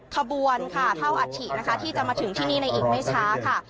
ขบวนค่ะเท่าอัฐินะคะที่จะมาถึงที่นี่ในอีกไม่ช้าค่ะ